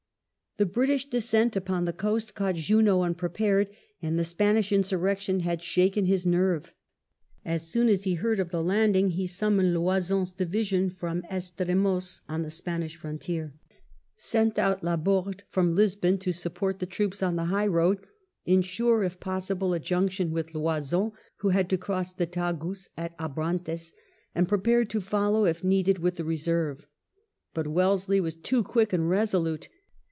The British descent upon the coast caught Junot unprepared, and the Spanish insurrection had shaken his nerve. As soon as he heard of the landing, he sum moned Loison*s division from Estremoz on the Spanish frontier, sent out Laborde from Lisbon to support the troops on the high road, ensure if possible a junction with Loison, who had to cross the Tagus at Abrantes, and prepared to follow, if needed, with the reserve. But Wellesley was too quick and resolute.